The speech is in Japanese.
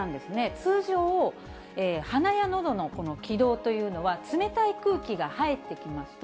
通常、鼻やのどのこの気道というのは、冷たい空気が入ってきますと、